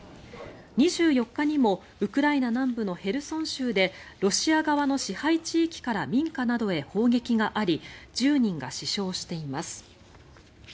２４日にもウクライナ南部のヘルソン州でロシア側の支配地域から民家などへ砲撃があり１０人が死傷しています。